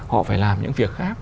họ phải làm những việc khác